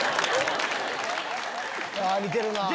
似てるなぁ。